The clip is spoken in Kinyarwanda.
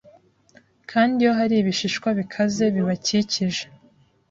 Kandi iyo hari ibishishwa bikaze bibakikije